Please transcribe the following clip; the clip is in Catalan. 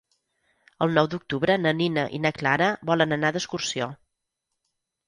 El nou d'octubre na Nina i na Clara volen anar d'excursió.